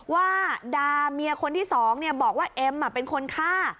ว่าดาเมียคนที่๒บอกว่าเอ็มเป็นคนฆ่า